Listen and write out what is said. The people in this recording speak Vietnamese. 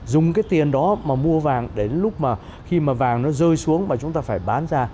dùng cái tiền đó mà mua vàng đến lúc mà khi mà vàng nó rơi xuống mà chúng ta phải bán ra